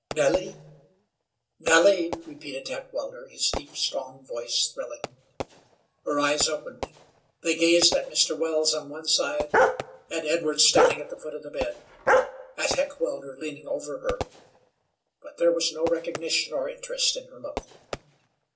"Nellie, Nellie," repeated Heckewelder, his deep, strong voice thrilling. Her eyes opened. They gazed at Mr. Wells on one side, at Edwards standing at the foot of the bed, at Heckewelder leaning over her, but there was no recognition or interest in her look.